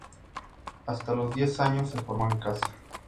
Hasta los diez años se formó en casa.